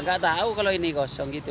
nggak tahu kalau ini kosong gitu